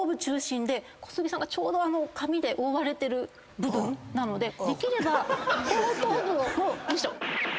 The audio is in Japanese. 小杉さんがちょうど髪で覆われてる部分なのでできれば後頭部をむしろ。